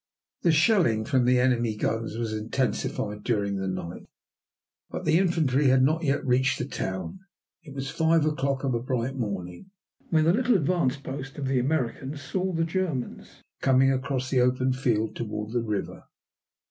The shelling from the enemy guns was intensified during the night, but the infantry had not yet reached the town. It was five o'clock of a bright morning when the little advance post of the Americans saw the Germans coming across the open field toward the river.